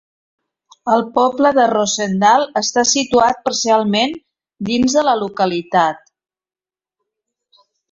El poble de Rosendale està situat parcialment dins de la localitat.